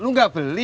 lu nggak beli